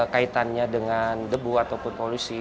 kaitannya dengan debu ataupun polusi